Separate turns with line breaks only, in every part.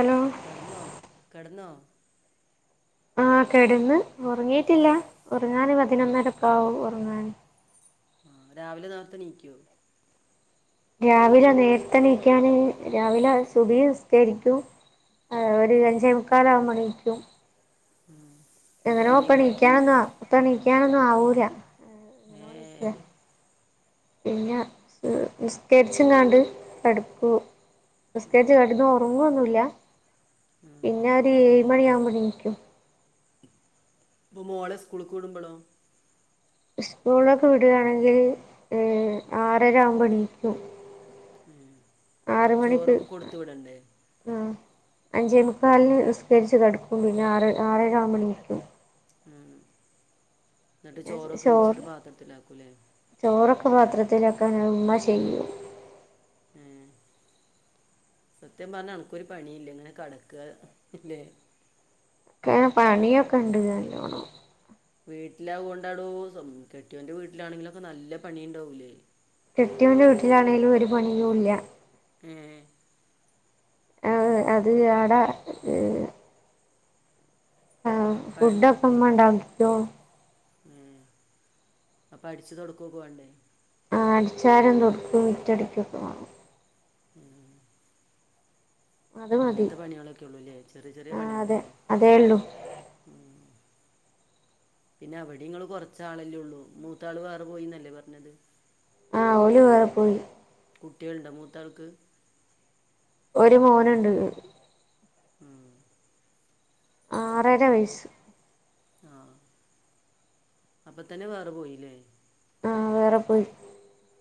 Hello
കെടന്നോ കെടന്നോ
ആഹ് കെടന്ന് ഒറങ്ങിയിട്ടില്ല ഒറങ്ങാന്
ആ
പതിനൊന്നരക്കാവും ഒറങ്ങാൻ
ആഹ് രാവിലെ നേർത്തെ എണീക്കുവോ
രാവിലെ നേർത്തെണിക്കാന് രാവിലെ സുബ്ഹി നിസ് സ്കരിക്കും ഏഹ് ഒരു അഞ്ചേമുക്കാലാവുമ്പോ എണീക്കും
ഉമ്
എങ്ങനൊ പ്പെ എണീക്കാനൊന്നും പ്പെ എണീക്കാനൊന്നും ആവൂല
ഏഹ്
പിന്നെ നിസ്കരിച്ച്ങ്ങാണ്ട് കെടക്കും
ഉം,
നിസ്കരിച്ച് കെടന്നൊറങ്ങൊന്നുല്ല
ഉം.
പിന്നെ ഒരു ഏഴ് മണിയാകുമ്പോ എണീക്കും
അപ്പൊ മോളെ സ്കൂള്ക്ക് വിടുമ്പളോ
സ്കൂളിലൊക്കെ വിടുകയാണെങ്കിൽ ഏ ആറര ആവുമ്പോ എണീക്കും
ഉം
ആറ് മണിക്ക്
ചോറൊക്കെ കൊടുത്തു വിടണ്ടേ
ആഹ് അഞ്ചേമുക്കാലിന് നിസ്കരിച്ച് കെടക്കും പിന്നെ ആറ് ആറര ആവുമ്പോ എണീക്കും
ഉം എന്നിട്ട്
പിന്നെ
ചോറൊക്കെ വെച്ചിട്ട്
ചോറ്
പാത്രത്തിലാക്കൂല്ലേ
ചോറൊക്കെ പാത്രത്തിലാക്കാന് അത് ഉമ്മ ചെയ്യും
ഉം സത്യം പറഞ്ഞാ അനക്കൊരു പണിയില്ല ഇങ്ങനെ കെടക്കുവാ ഇല്ലേ
ഏ പണിയൊക്കെയുണ്ട് നല്ലോണം
വീട്ടില് അത് കൊണ്ടാടോ കെട്ടിയവന്റെ വീട്ടിലാണെങ്കിലൊക്കെ നല്ല പണിയുണ്ടാവൂലേ
കെട്ടിയവന്റെ വീട്ടിലാണേലും ഒരു പണിയുമില്ല
ഏ
ഏ അത് ഏടാ ഉം ഏ ഫുഡൊക്കെ ഉമ്മ ഉണ്ടാക്കിയോ
ഉം അപ്പോ അടിച്ച് തൊടക്കുവൊക്കെ വേണ്ടേ
ആ അടിച്ച് വാരലും തൊടക്കും മുറ്റമടിക്കുവൊക്കെ വേണം
ഉം
അത് മതി
അങ്ങനത്തെ പണികളൊക്കെയേ ഉള്ളൂല്ലേ ചെറിയ ചെറിയ
ആഹ്
പണിയേ
അതെ
ഉള്ളൂല്ലേ
അതേ ഉള്ളൂ
ഉം പിന്നെ അവിടെയും ഇങ്ങള് കൊറച്ചാളല്ലേയുള്ളൂ മൂത്താള് വേറെ പോയീന്നല്ലേ പറഞ്ഞത്
ആ ഓല് വേറെ പോയി
കുട്ടികളുണ്ടോ മൂത്താൾക്ക്
ഒരു മോനുണ്ട്
ഉം
ആറര വയസ്സ്
ആഹ് അപ്പൊത്തന്നെ വേറെ പോയില്ലേ
ആഹ് വേറെ പോയി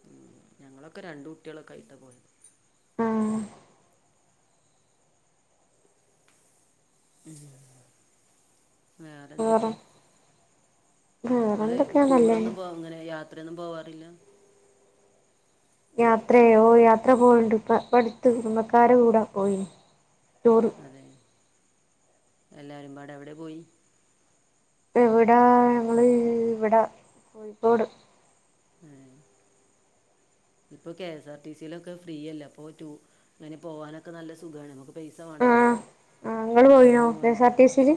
ഉം ഞങ്ങളൊക്കെ രണ്ട് കുട്ടികളൊക്കെ ആയിട്ടാ പോയത്
ആഹ്
ഉം
വേറെ
വേറെന്തെക്കെ ഇങ്ങള്
വേറെന്തൊക്കെയാ നല്ലന്നെ
ടൂറൊന്നും പോ അങ്ങനെ യാത്രയൊന്നും പോവാറില്ല
യാത്രയോ ഓ യാത്ര പോയിണ്ട് ഇപ്പോ ഇപ്പടുത്ത് കുടുംബക്കാരെ കൂടെ പോയിന്ന് ടൂറ്
അതെ എല്ലാരും പാടെ എവിടെ പോയി
എവിടാ ഞങ്ങള് ഇവിടെ കോഴിക്കോട്
ഏ ഇപ്പൊ കെ എസ് ആർ ടി സിയിലൊക്കെ ഫ്രീയല്ലേ അപ്പോ ടൂ ഇങ്ങനെ പോകാനൊക്കെ നല്ല സുഖാണ് നമുക്ക് പൈസ വേണ്ടല്ലോ
ആഹ് ആഹ് ഇങ്ങള് പോയിനോ
ബസിന്
കെ എസ് ആർ
പോവാനൊന്നും
ടി സിയില്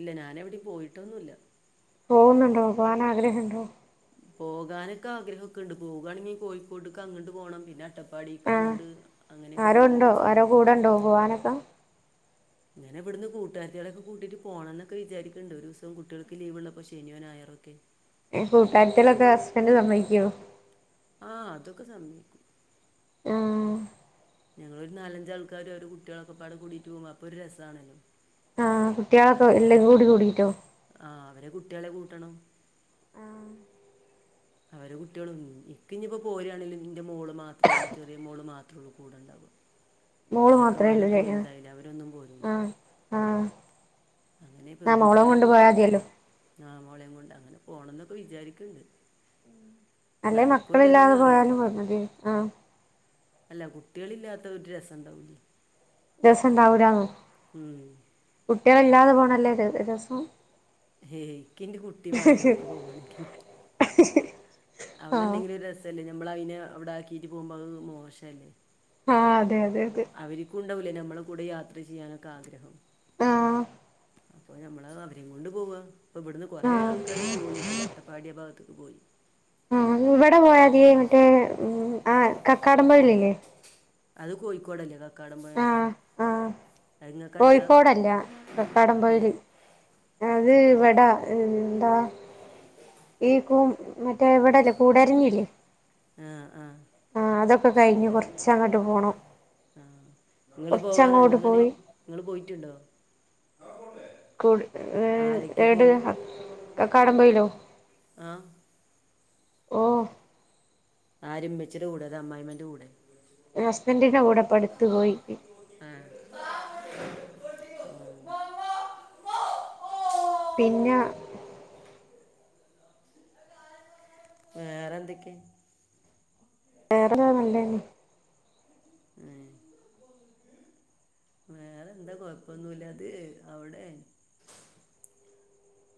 ഇല്ല ഞാനെവിടെയും പോയിട്ടൊന്നുവില്ല
പോകുന്നുണ്ടോ പോകാൻ ആഗ്രഹവുണ്ടോ
പോകാനൊക്കെ ആഗ്രഹവൊക്കെ ഉണ്ട് പോകുവാണെങ്കിൽ കോഴിക്കോട്ട്ക്ക് അങ്ങട്ട് പോണം പിന്നെ അട്ടപ്പാടിക്ക് അങ്ങട്ട്
ആരോണ്ടോ ആരോ കൂടെ ഉണ്ടോ പോവാനൊക്കെ.
ഇങ്ങനെ ഇവിടുന്ന് കൂട്ടുകാരത്തികളെയൊക്കെ കൂട്ടിട്ട് പോണോന്നൊക്കെ വിചാരിക്കിണ്ട് ഒരു ദിവസം കുട്ടികൾക്ക് ലീവുള്ളപ്പൊ ശനിയോ ഞായറൊ ഒക്കെ.
ഏ കൂട്ടുകാരത്തികളുടെയൊക്കെ ഹസ്ബൻഡ് സമ്മതിക്കൊ.
ആഹ് അതൊക്കെ സമ്മതിക്കും
ആഹ്.
ഞങ്ങളൊരു നാലഞ്ചാൾക്കാര് ഓരുടെ കുട്ട്യോളൊക്കെപാടെ കൂടിട്ട് പോവുമ്പൊ അപ്പൊ ഒരു രസാണല്ലോ.
ആഹ് കുട്ടികളൊക്കെ എല്ലാരും കൂടി കൂടിട്ടോ.
ആഹ് അവരെ കുട്ടികളെ കൂട്ടണം.
ആഹ്.
അവരെ കുട്ട്യേളും ഇക്ക് ഇനിയിപ്പോ പോരുവാണേലും ഇന്റെ മോള് മാത്രേയുള്ളൂ ചെറിയ മോള് മാത്രേയുള്ളൂ കൂടെയുണ്ടാവുക
മോള് മാത്രേ ഉള്ളൂ
ചെക്കന്മാരൊക്കെ
ല്ലേ
വലുതായില്ലേ അവരൊന്നും പോരൂല.
ആഹ് ആഹ്
അങ്ങനെ
ആ മോളേം
പെൺകുട്ട്യേളെ
കൊണ്ട് പോയാ
കൂട്ടിട്ട്.
മതിയല്ലോ
മോളേം കൊണ്ട് അങ്ങനെ പോണന്നൊക്കെ വിചാരിക്കിണ്ട്.
അല്ലെ മക്കളില്ലാതെ
അറിയില്ല
പോയാലും മതി ആഹ്.
അല്ല കുട്ട്യേളില്ലാത്ത ഒരു രസൂണ്ടാവൂല.
രസണ്ടാവൂലന്നൊ കുട്ട്യേള് ഇല്ലാതെ പോണല്ലേ ര രസം.
ഏഹ് എനിക്കിന്റെ കുട്ടിവാണം എവിടക്ക് പോവാണെകിലും.
ഹ്ഹ്.
അവളുണ്ടെങ്കിലെ ഒരു രസല്ലേ ഞമ്മളയിനെ അവിടാക്കീട്ട് പോകുമ്പോ അത് മോശല്ലേ.
ആഹ് അതെ അതെ. അതെ
അവരിക്കും ഉണ്ടാവൂലേ നമ്മളെ കൂടെ യാത്ര ചെയ്യാനൊക്കെ ആഗ്രഹം.
ആഹ്
ഇപ്പൊ ഞമ്മള് അവരേം കൊണ്ട് പോവാ ഇപ്പവിടുന്ന്
ആ
കൊറേ ആൾക്കാാര് പോയിട്ടോ അട്ടപ്പാടി ആ ഭാഗത്ത്ക്ക് പോയി.
ആ ഇവിടെപോയാതി മറ്റേ ആ കക്കാടമമ്പൊഴലില്ലേ.
അത് കോയിക്കോടല്ലേ കക്കാട പൊഴ.
ആഹ് ആഹ്. കോയിക്കോടല്ല
ഏ
കക്കാടംപൊയൽ അത്
ഏ
ഇവടാ. എന്താ ഈ കു മറ്റേവിടെല്ലേ കൂടരഞ്ഞില്ലേ. ആ അതൊക്കെ കഴിഞ്ഞ് കൊറച്ചങ്ങട്ട് പോണം.
ആഹ് ഇങ്ങള് പോവാറുണ്ടോ
കുറച്ചങ്ങോട്ട്
അങ്ങനെ
പോയി
ഇങ്ങള് പോയിട്ടുണ്ടോ.
കൂ ഏഹ്
ആരൊക്കെ
ഏട്
പോയി
കക്കാടംപൊയിലൊ.
ആ
ഓഹ്.
ആര് ഇമ്മച്ചീടുടെ അതൊ അമ്മായമന്റുടെ.
ഹസ്ബന്റിന്റെ കൂടെ ഇപ്പട്ത്ത് പോയി.
ആഹ്
പിന്ന
വേറെന്തക്കെ
വേറെ നല്ലനെ
ആഹ് വേറെ എന്താ കൊയപ്പൊന്നുല്ല അത് അവിടെ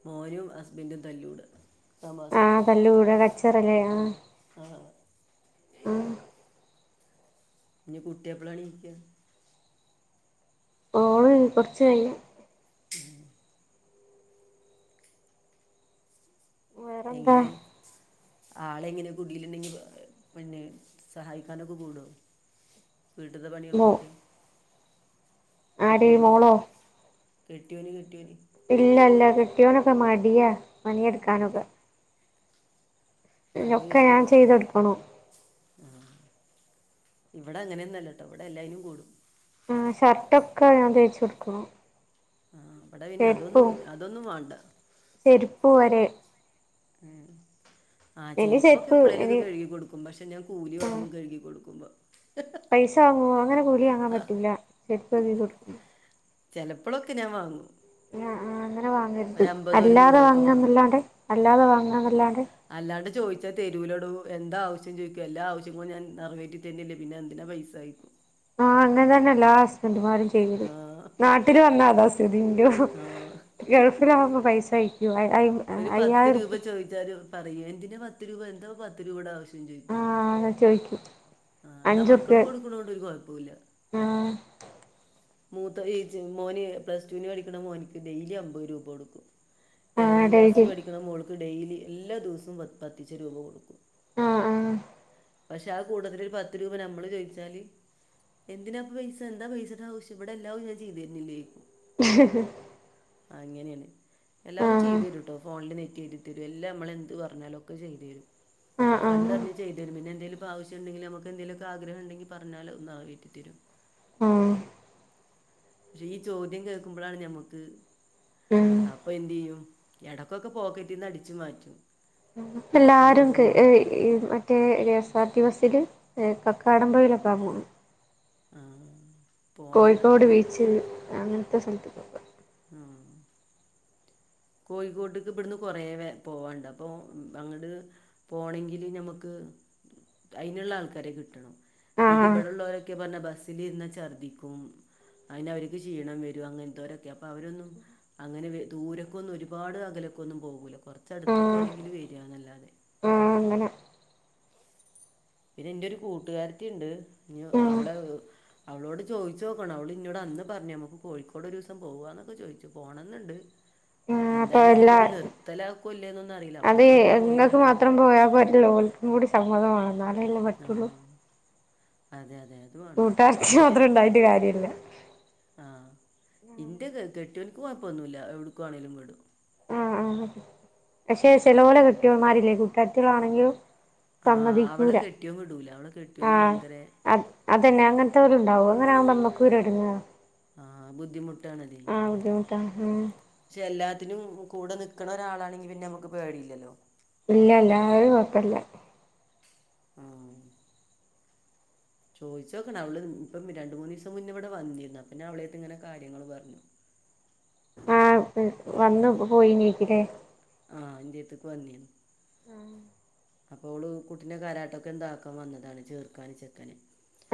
മോനും ഹസ്ബന്റും തല്ലൂട തമാശക്ക്
ആഹ് തലൂട കച്ചറല്ലേ ആഹ്.
ആഹ്‌
ആഹ്
ഇനി കുട്ടി എപ്പളാണീക്ക
ഓള് കൊറച്ചയ്യും വേറെന്താ
എങ്ങനെ ആളെ എങ്ങനെ കുടിയിലിണ്ടെങ്കി പിന്നെ സഹായിക്കാനൊക്കെ കൂടോ. വീട്ട്ത്തെ
മോ
പണിയൊൾക്കൊക്കെ
ആര്
കെട്ടിയോന്
മോളോ
കെട്ടിയോന് കെട്ടിയോന്
ഇല്ല ഇല്ല കിട്ടിയോനൊക്കെ മടിയാ
ഏ
പണിയെടുക്കാനൊക്കെ
നല്ല
ഒക്കെ ഞാൻ
കെട്ടിയോൻ
ചെയ്ത് കൊടുക്കണു
ആ ഇവിടെ അങ്ങനെൊന്നല്ലട്ടോ ഇവിടെ എല്ലാരും കൂടും
ആ ഷർട്ടൊക്കെ ഞാൻ തേച്ച് കൊടുക്കൊണം
ആ അവടെ പിന്നെ അതൊന്നും അതൊന്നും വേണ്ട
ചെരുപ്പ് വരെ
ഉം ആഹ്
ഇനി
ചെരിപ്പൊക്കെ
ചെരുപ്പ്
എപ്പഴേലൊക്കെ
ഇനി
കഴുകി കൊടുക്കും പക്ഷെ ഞാ കൂലി
ആ
വാങ്ങും കഴുകി കൊടുക്കുമ്പോ
പൈസ വാങ്ങുവോ അങ്ങനെ കൂലി വാങ്ങാൻ പറ്റൂല്ല ചെരുപ്പ് കൊ
ചെലപ്പളൊക്കെ ഞാൻ വാങ്ങും
അങ്ങനെ വാങ്ങരുത്,
ഒരു അമ്പത് ഒരു
അല്ലാതെ
നൂറൊക്കെ വാങ്ങും
വാങ്ങാന്നല്ലാണ്ടെ, അല്ലാതെ വാങ്ങ എന്നല്ലാണ്ടെ
അല്ലാണ്ട് ചോദിച്ചാ തെരൂലടോ, എന്താവശ്യം ചോദിക്ക എല്ലാ ആവശ്യങ്ങൾ ഞാൻ നിറവേറ്റി തന്നില്ലെങ്കിൽ പിന്നെന്തിന പൈസ സൈക്കും
ആഹ് അങ്ങന തന്നല്ലോ എല്ലാ ഹസ്ബൻണ്ട്മാരും
ആ
[unintelligible] നാട്ടില് വന്നാ അതാ സ്ഥിതി ന്റേതും
ആ
ഗൾഫിലാവകുമ്പോൾ പൈസ അയ്ക്കുവ അ
ഒരു പത്ത് രൂപ ചോദിച്ചാല് പറയൂ, എന്തിനാ പത്ത് രൂപ എന്താ പത്ത് രൂപയുടെ ആവശ്യം
ആഹാ, ചോയിക്കും
ആഹ, ന്നാ മക്കൾക്ക് കൊടുക്കണോണ്ട് ഒരു കൊഴപ്പുല്ല
ആ
മൂത്തൊന് ചോയ്ച്ചാൽ [unintelligible] പ്ലസ്ടു ടു ൽ പഠിക്കണ മോനിക്ക് ഡെയിലി അമ്പത് രൂപ കൊടുക്കും
ആ
ഏഴാം ക്ലാസ്സിൽ
ഡെയിലി
പഠിക്കണ മോൾക്ക് ഡെയിലി എല്ലാ ദിവസവും പ പത്തിച് രൂപ കൊടുക്കും
ആഹ്, ആഹ്
പക്ഷെ ആ കൂട്ടത്തിൽ ഒരു പത്ത് രൂപ നമ്മള് ചോദിച്ചാല് എന്തിനാപ്പ പൈസ എന്താ പൈസയുടെ ആവശ്യ ഇവിടെ എല്ലാവും ഞാൻ ചെയ്ത തരുന്നില്ലേക്കും ആ, അങ്ങനെയാണ്
ആ
എല്ലാവും ചെയ്ത് തരുട്ടോ ഫോണില് നെറ്റ് കേറ്റി എല്ലാം നമ്മള എന്ത് പറഞ്ഞാലുംക്കെ ചെയ്തു തരും,
ആ ആ
കണ്ടറിഞ് ചെയ്തു തരും പിന്നെ എന്തേലും പ്പ ആവശ്യം ണ്ടെങ്കിൽ നമുക്ക് എന്തങ്കിലൊക്കെ ആഗ്രഹം ഉണ്ടെങ്കിൽ പറഞ്ഞാലത് നിറവേറ്റി തരും
ആ
ഈ ചോദ്യം കേൾക്കുമ്പോഴാണ് ഞമ്മുക്ക്
ഉം
അപ്പൊ എന്ത് ചെയ്യും ഇടക്കൊക്കെ പോക്കറ്റിൽന്ന് അടിച്ചു മാറ്റും
എല്ലാരും കെ
അമ്പതൊന്നും
ഏഴ് ഈ മറ്റേ കെ എസ് ആർ ടി ബസ്സിൽ കക്കാടംമ്പയിലൊക്കാ പോവു
ആഹ്.
കോഴിക്കോട് ബീച്ചിൽ അങ്ങനത്തെ സ്ഥലത്തക്ക്‌ ഒക്കെ
ഉം കോഴിക്കോട്ടക്ക് ഇവിടുന്ന് കൊറേ പോവാണ്ട് അപ്പൊ അങ്ങട് പോണെങ്കില് നമക്ക് അയിനുള്ള ആൾക്കാരെ കിട്ടണം ഇത്
ആഹ്
ഇവിടെള്ളവരൊക്കെ പറഞ്ഞാ ബസ്സിൽ ഇരുന്ന് ഛർദിക്കും. അങ്ങനെ അവർക്ക് ക്ഷീണം വരും അങ്ങനത്തെവരൊക്കെ അപ്പൊ അവരൊന്നും അങ്ങനെ ദൂരം കൊന്നും ഒരുപാട് അകലൊക്കെ ഒന്നും പോകൂല, കുറച്ച് അടുത്തൊക്കെ
ആഹ്
ആണെങ്കിൽ വരിക എന്നല്ലാതെ
ആഹ് അങ്ങനെ
പിന്നെ എന്റെ ഒരു കൂട്ടുകാരത്തി ഉണ്ട്
ആഹ്
അവള അവളോട് ചോദിച്ചു നോക്കണം അവള ഇന്നോട് അന്ന് പറഞ്ഞഞ് നമുക്ക് കോഴിക്കോട് ഒരു ദിവസം പോകന്നൊക്കെ ചോദിച്ചു പോണം എന്നുണ്ട്
ആഹ് അപ്പൊ
എന്തായാലും ഇനിയിപ്പോ
എല്ലാ
ഇത് നിർത്തലാക്കൊ, ഇല്ലേ എന്നൊന്നും അറിയില്ല
അത്
അപ്പോഴക്കും ഒന്ന് പോയി
ഇങ്ങക്ക്
വരണം എന്നുണ്ട്
[unintelligible] കൂടി സമദം വേണല്ലേ
ആഹ്, അതെ, അതെ, അതെ
കൂട്ടരത്തി മാത്രം ഉണ്ടായിട്ട് കാര്യമില്ല.
ആഹ്, ഇന്റെ കെട്ട്യോനിക്ക് കുഴപ്പ ഒന്നുമില്ല എവിടുക്കുവാണെങ്കിലും വിടും.
ആഹ ആഹ്, പക്ഷെ ചേലോലെ കെട്ടിയൊന്മാരില്ലേ, കൂട്ടാരതികൾ ആണെങ്കിലും.
ആഹ് അവളെ കെട്ടിയൻ വിടൂല, അവളെ കെട്ടിയോനും ഭയങ്കര.
അ അതന്നെ അങ്ങനത്തോൽ ഉണ്ടാവും, അങ്ങനൊവുമ്പോ നമ്മക്കൊരു എടങ്ങേറ്.
ആഹ് ബുദ്ധിമുട്ടാണതെ
ബുദ്ധിമുട്ടാ ഉം
പക്ഷെ എല്ലാത്തിനും കൂടെ നിൽക്കണ ഒരാളാണെങ്കി പിന്നെ നമുക്ക് പേടിയില്ലല്ലോ.
ഇല്ലല്ല അത് കുഴപ്പില്ല.
ഉം ചോദിച്ച് നോക്കണം, അവള് ഇപ്പം രണ്ട് മൂന്നീസം മുന്നേ ഇവിടെ വന്നിരുന്നു, അപ്പൊ ഞ അവളോട് ഇങ്ങനെ കാര്യങ്ങൾ പറഞ്ഞു.
വന്നു പോയി നീക്കിലേ.
ആഹ് ഇന്റട്ത്തക്ക് വന്നിനു
ആഹ്
അപ്പോൾ ഓള് കുട്ടീന്റെ കാരാട്ടൊക്കെ എന്താക്കാൻ വന്നതാണ് ചേർക്കൻ ചെക്കന്.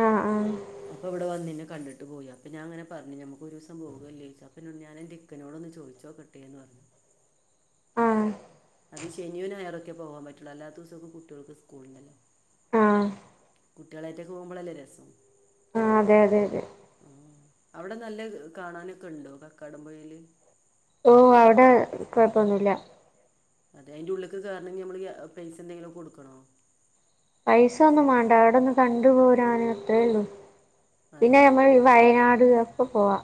ആഹ് ആഹ്
അപ്പൊ ഇവിടെ വന്ന് എന്നെ കണ്ടിട്ട് പോയി അപ്പൊ ഞാൻ അങ്ങനെ പറഞ്ഞ് നമുക്ക് ഒരു ദിവസം പോകല്ലേ ചോയ്ച്ച അപ്പോ ഞൻ എന്റ ഇക്ക ക്കനോട്‌ ഒന്ന് ചോദിച്ച് നോക്കട്ടെ എന്ന് പറഞ്ഞു.
ആഹ്
അത് ശനിയും ഞയർരൊക്കെ പോകവാൻ പറ്റുള്ളൂ അല്ലാത്ത ദിവസക്കെ കുട്ടികൾക്ക് സ്കൂള് ഉണ്ടല്ലോ.
ആഹ്
കുട്ടികളായിട്ടൊക്കെ പോകുമ്പോഴല്ലേ രസം.
ആഹ് അതെ അതെ അതെ.
ആഹ് അവിടെ നല്ല കാണാനൊക്കെ ഉണ്ടോ കക്കാടം പുഴയില്.
ഓ അവിടെ കുഴപ്പൊന്നുമില്ല.
അതെ അതിന്റെ ഉള്ളേക്ക് കേറണമെകിൽ നമ്മള് പൈസ എന്തെങ്കിലും കൊടുക്കണോ.
പൈസ ഒന്നും വേണ്ട അവിടൊന്ന് കണ്ടു പോരാനത്രേള്ളു പിന്നെ
അതെ
നമ്മൾ. വയനാട് ഒക്കെ പോവാം.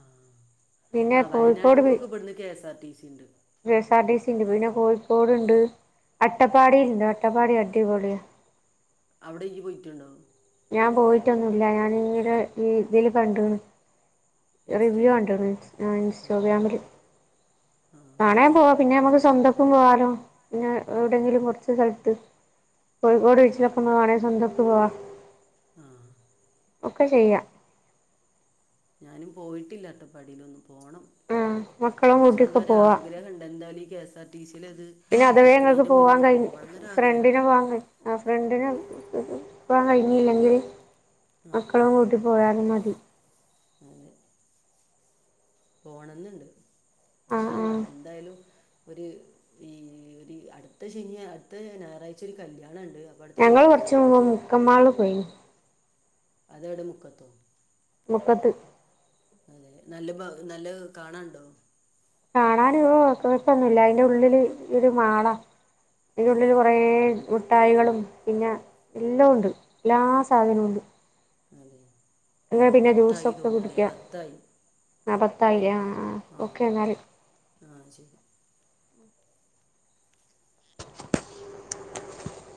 ആഹ്
പിന്നെ
ആഹ്
കോഴിക്കോട്
വയനാട്ട്ക്കൊക്കെ ഇവിടുന്ന് കെഎസ് ആർ ടി സി ഉണ്ട്.
K S R T C ഉണ്ട് പിന്നെ കോഴിക്കോട്ണ്ട് അട്ടപ്പാടിൽണ്ട് അട്ടപ്പാടി അടിപൊളിയ.
അവിടെ യി പോയിട്ടുണ്ടോ
ഞാൻ പോയിട്ടൊന്നുമില്ല ഞാൻ ഇങ്ങനെ ഇതില് കണ്ടു റിവ്യൂ
ഇൻസ്റ്റയിലോ
കണ്ടിനു
ആ
ഇൻസ്റ്റഗ്രാമില്.
ആ
നാണയം പോവാ പിന്നെ നമ്മക്ക് സ്വന്തക്കും പോവാലോ പിന്നെ
ആ
എവിടെങ്കിലും കൊറച്ച് സ്ഥലത്ത്. കോഴിക്കോട് ബീച്ചില് ഇപ്പോ സ്വന്തം ആയിട്ട് പോവാ
ആഹ്
ഒക്കെ ചെയ്യാം.
ഞാനും പോയിട്ടില്ല അട്ടപ്പാടിയിലൊന്നും പോണം.
ആഹ് മക്കളും
ഇന്ഷാ
കൂട്ടിയൊക്കെ
അള്ളാ
പോവാ
ആഗ്രഹം ഉണ്ട് എന്തായാലും ഈ കെഎസ് ആർ ടി സിൽ ഇത്
പിന്നെ അഥവേ ഞങ്ങൾക്ക്
നിക്കണതിന്റെ മുന്ന
പോവാൻ
ഒന്ന്
കഴി
പോ. പോണോന്ന് ഒരു ആഗ്രഹം
ഫ്രണ്ടിന്
ഉണ്ട്.
പോവാൻ കഴി ആഹ് ഫ്രണ്ടിന് പോകാൻ കഴിഞ്ഞില്ലെങ്കിൽ
ആ
മക്കളും കൂട്ടി. പോയാലും മതി.
അതെ പോണംന്നുണ്ട് ഇന്ഷാ
ആഹ്
ആള്ള
ആഹ്
എന്തായാലും. ഒരു ഈ ഒരു അടുത്ത ശനി അടുത്ത ഞായറാഴ്ച ഒരു കല്യാണ ഉണ്ട്. അപ്പോൾ അടുത്ത
ഞങ്ങള്
ശനിയാഴ്ച
കുറച്ച
പോകാൻ
മുമ്പ്
പറ്റില്ല
മുക്കൻ മാളിൽ പോയി.
അത് എവിടെ മുക്കത്തോ.
മുക്കത്ത്.
അതെ നല്ല നല്ല കാണണ്ടോ.
കാണാന് ഓ കൊഴപ്പന്നുമില്ല അതിന്റെ ഉള്ളില് ഒരു മാളാ
അതെ
അന്റെള്ളില് കുറെേ. മുട്ടായികളും പിന്നെ എല്ലാം ഉണ്ട് എല്ലാ സാധനവും ഉണ്ട്.
അതെ.
എന്നാ പിന്നെ
പത്തായി
ജ്യൂസൊക്കെ
തോന്നുന്നു അല്ലേ
കുടിക്കാം
പത്തായി
ആഹ് പത്തായി ആഹ് ആഹ് ഓക്കെ എന്നാൽ.
ആഹ് ശരി.